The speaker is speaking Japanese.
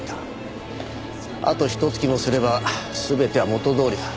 あとひと月もすれば全ては元通りだ。